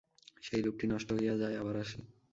সেই রূপটি নষ্ট হইয়া যায়, আবার আসে।